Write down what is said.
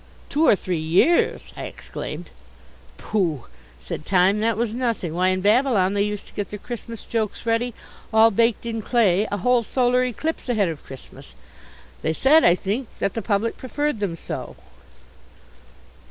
"Two or three years!" I exclaimed. "Pooh," said Time, "that was nothing. Why in Babylon they used to get their Christmas jokes ready all baked in clay a whole Solar eclipse ahead of Christmas. They said, I think, that the public preferred them so."